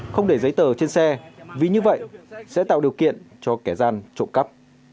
không để giấy tờ trên xe vì như vậy sẽ tạo điều kiện cho kẻ gian trộm cắp